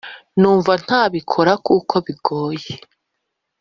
Numva ntabikora kuko bigoye